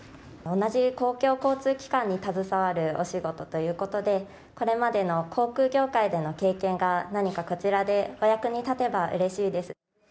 同じ公共交通機関に携わるお仕事ということで、これまでの航空業界での経験が何かこちらでお役に立てばうれしいです。